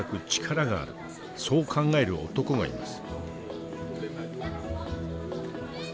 そう考える男がいます。